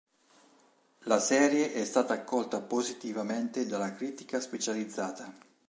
La serie è stata accolta positivamente dalla critica specializzata.